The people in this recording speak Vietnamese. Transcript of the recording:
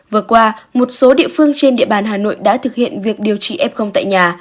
vừa qua một số địa phương trên địa bàn hà nội đã thực hiện việc điều trị f tại nhà